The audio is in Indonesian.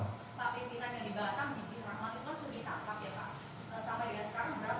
pak pimpinan yang di batam bikin ramadhan sudah ditangkap